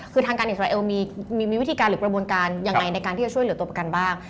คือทางการอิสราเอลมีวิธีการหรือกระบวนการยังไงในการที่จะช่วยเหลือตัวประกันบ้าง